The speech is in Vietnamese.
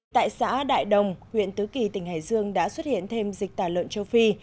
tại xã đại đồng huyện tứ kỳ tỉnh hải dương đã xuất hiện thêm dịch tả lợn châu phi